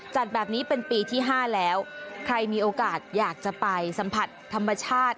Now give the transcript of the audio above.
จัดแบบนี้เป็นปีที่ห้าแล้วใครมีโอกาสอยากจะไปสัมผัสธรรมชาติ